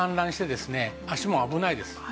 足も危ないです。